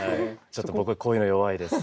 ちょっと僕はこういうの弱いです。